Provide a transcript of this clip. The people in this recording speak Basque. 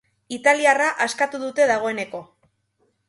Italiarra askatu dute dagoeneko.